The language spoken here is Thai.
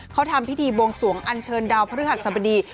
เขาทำพิธีบวงสวงอันเชิญดาวพฤหัสสบดี